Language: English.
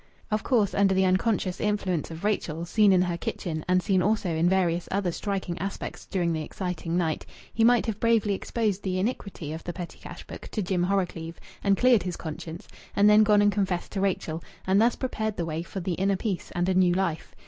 Of course, under the unconscious influence of Rachel, seen in her kitchen and seen also in various other striking aspects during the exciting night, he might have bravely exposed the iniquity of the petty cash book to Jim Horrocleave, and cleared his conscience, and then gone and confessed to Rachel, and thus prepared the way for the inner peace and a new life.